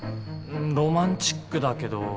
ロマンチックだけど。